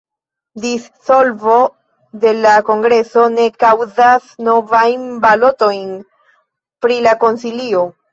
Dissolvo de la Kongreso ne kaŭzas novajn balotojn pri la Konsilio.